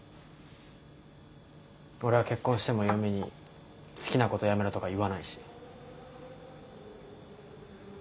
俺は結婚しても嫁に好きなことやめろとか言わないし。